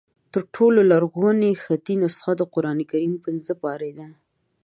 تر ټولو لرغونې خطي نسخه د قرآن کریم پنځه پارې دي.